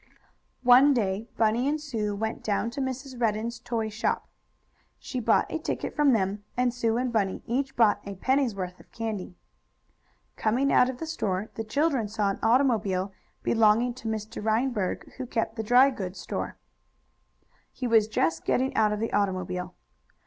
One day Bunny and Sue went down to Mrs. Redden's toy shop. She bought a ticket from them, and Sue and Bunny each bought a penny's worth of candy. Coming out of the store, the children saw an automobile, belonging to Mr. Reinberg, who kept the dry goods store. He was just getting out of the automobile.